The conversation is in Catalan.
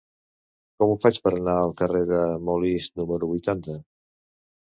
Com ho faig per anar al carrer de Molist número vuitanta?